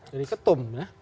jadi ketum ya